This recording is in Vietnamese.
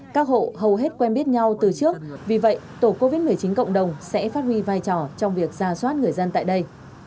các hộ hầu hết quen biết nhau từ trước vì vậy tổ covid một mươi chín cộng đồng sẽ phát huy vai trò trong việc ra soát người dân tại đây